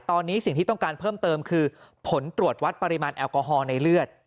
ตอนนี้สิ่งที่ต้องการเพิ่มเติมคือผลตรวจวัดปริมาณแอลกอฮอล์ในเลือด